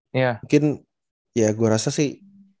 mungkin ya gue rasa sih